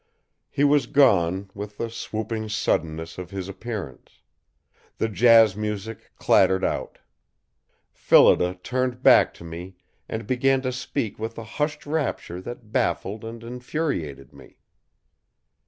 He was gone, with the swooping suddenness of his appearance. The jazz music clattered out. Phillida turned back to me and began to speak with a hushed rapture that baffled and infuriated me.